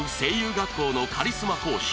学校のカリスマ講師